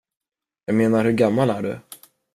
Jag menar, hur gammal är du?